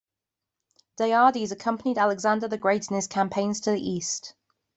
Diades accompanied Alexander the Great in his campaigns to the East.